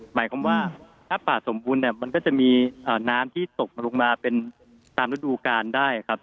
หมายความว่าถ้าป่าสมบูรณ์เนี่ยมันก็จะมีน้ำที่ตกลงมาเป็นตามฤดูกาลได้ครับ